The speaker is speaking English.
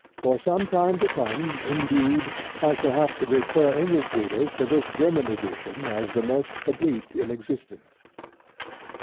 For some time to come, indeed, I shall have to refer English readers to this German edition as the most complete in existence.